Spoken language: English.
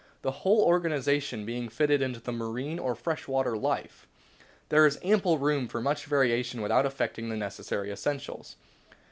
The whole organisation being fitted to the marine or fresh water life,, there is ample room for much variation without affecting the necessary essentials.